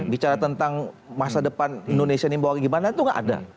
bicara tentang masa depan indonesia ini bagaimana itu gak ada